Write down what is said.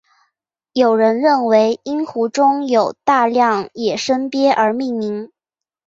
有人认为因湖中有大量野生鳖而命名。